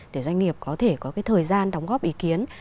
để doanh nghiệp có thể có cái thời gian đóng góp ý kiến